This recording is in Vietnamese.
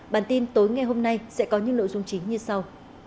bản tin tối ngày hôm nay sẽ có những nội dung chính như sau